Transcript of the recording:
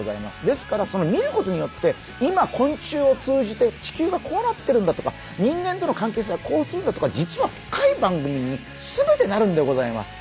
ですから見ることによって今昆虫を通じて地球がこうなってるんだとか人間との関係性はこうするんだとか実は深い番組に全てなるんでございます。